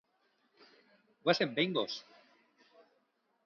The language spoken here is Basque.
Goazen behingoz!